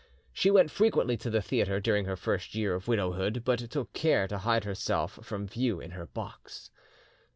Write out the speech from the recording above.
"She went frequently to the theatre during her first year of widowhood, but took care to hide herself from view in her box."